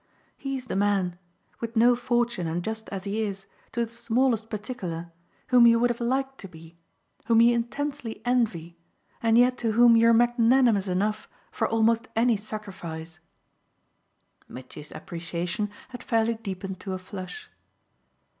"He's the man with no fortune and just as he is, to the smallest particular whom you would have liked to be, whom you intensely envy, and yet to whom you're magnanimous enough for almost any sacrifice." Mitchy's appreciation had fairly deepened to a flush.